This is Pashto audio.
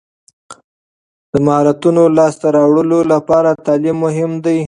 د مهارتونو لاسته راوړلو لپاره تعلیم مهم دی.